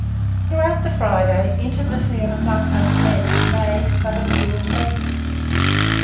Throughout the Friday, intimacy among us men made but a few advances.